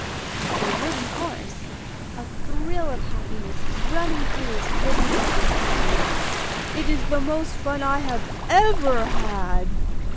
The wooden horse, a thrill of happiness running through his wooden body, cried, "It is the most fun I have ever had!"